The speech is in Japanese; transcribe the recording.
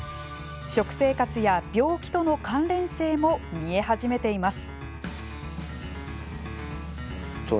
食生活や病気との関連性も見え始めています。